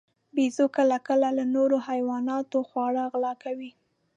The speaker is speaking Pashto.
بیزو کله کله له نورو حیواناتو خواړه غلا کوي.